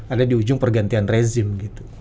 ada di ujung pergantian rezim gitu